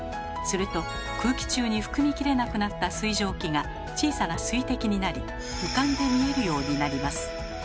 すると空気中に含みきれなくなった水蒸気が小さな水滴になり浮かんで見えるようになります。